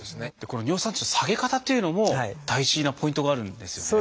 この尿酸値の下げ方というのも大事なポイントがあるんですよね。